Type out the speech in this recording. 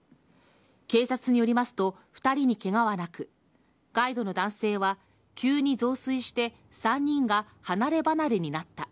警察によりますと２人にケガはなくガイドの男性は、急に増水して３人が離れ離れになった。